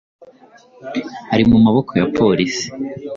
ari mu maboko ya Polisi